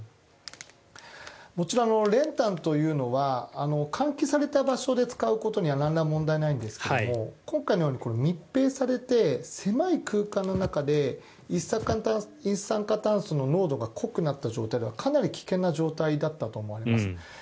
もちろん練炭というのは換気された場所で使うことにはなんら問題ないんですけど今回のように密閉されて狭い空間の中で一酸化炭素の濃度が濃くなった状態がかなり危険な状態だったと思われます。